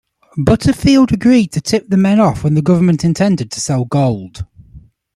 Butterfield agreed to tip the men off when the government intended to sell gold.